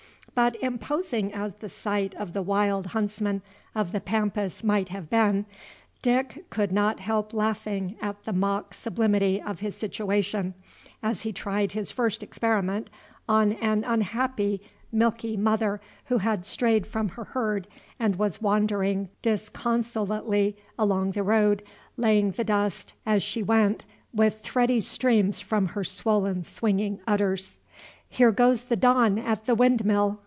But, imposing as the sight of the wild huntsmen of the Pampas might have been, Dick could not help laughing at the mock sublimity of his situation, as he tried his first experiment on an unhappy milky mother who had strayed from her herd and was wandering disconsolately along the road, laying the dust, as slue went, with thready streams from her swollen, swinging udders. "Here goes the Don at the windmill!"